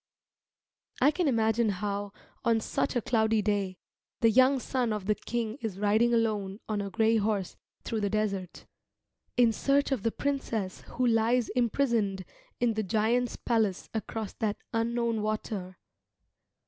I can imagine how, on just such a cloudy day, the young son of the king is riding alone on a grey horse through the desert, in search of the princess who lies imprisoned in the giant's palace across that unknown water.